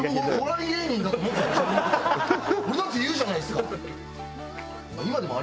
俺だって言うじゃないですか！